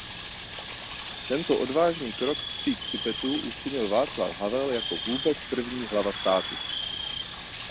Tento odvážný krok vstříc Tibetu učinil Václav Havel jako vůbec první hlava státu.